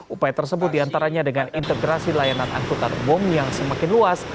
upaya tersebut diantaranya dengan integrasi layanan angkutan umum yang semakin luas